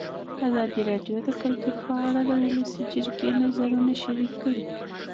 ازادي راډیو د کلتور په اړه د ولسي جرګې نظرونه شریک کړي.